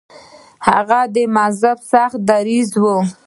هغه مذهبي سخت دریځه و.